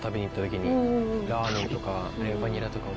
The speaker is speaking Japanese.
ラーメンとかレバニラとかを。